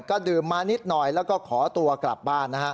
ก็ดื่มมานิดหน่อยแล้วก็ขอตัวกลับบ้านนะฮะ